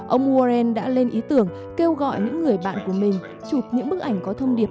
ông warren đã lên ý tưởng kêu gọi những người bạn của mình chụp những bức ảnh có thông điệp